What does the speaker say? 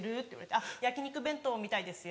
「あっ焼き肉弁当みたいですよ」